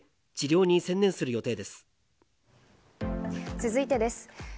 続いてです。